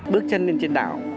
bước chân lên trên đảo